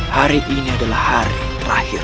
hari ini adalah hari terakhir